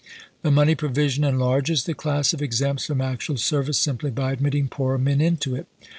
The money provision enlarges the class of exempts from actual service simply by admitting poorer men into it.